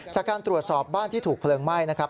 จากการตรวจสอบบ้านที่ถูกเพลิงไหม้นะครับ